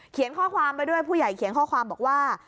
ข้อความไปด้วยผู้ใหญ่เขียนข้อความบอกว่า